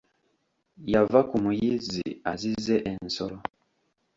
Yava ku muyizzi azize ensolo.